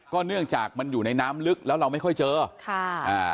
เนื่องจากมันอยู่ในน้ำลึกแล้วเราไม่ค่อยเจอค่ะอ่า